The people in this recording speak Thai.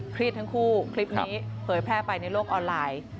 ทั้งคู่คลิปนี้เผยแพร่ไปในโลกออนไลน์